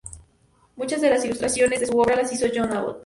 Muchas de las ilustraciones de esa obra las hizo John Abbot.